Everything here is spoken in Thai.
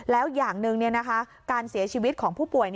แล้วอย่างหนึ่งการเสียชีวิตของผู้ป่วย